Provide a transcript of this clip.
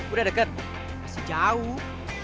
udah deket masih jauh